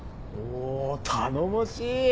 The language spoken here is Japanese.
お頼もしい。